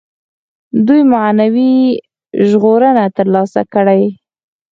دوی معنوي ژغورنه تر لاسه کړي.